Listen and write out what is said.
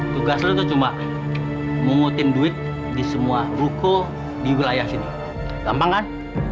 tugas lu cuma mengutin duit di semua buku di wilayah sini gampang kan